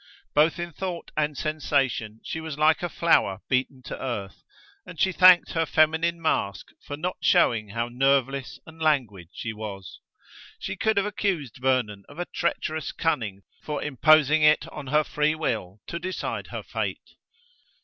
Both in thought and sensation she was like a flower beaten to earth, and she thanked her feminine mask for not showing how nerveless and languid she was. She could have accused Vernon of a treacherous cunning for imposing it on her free will to decide her fate.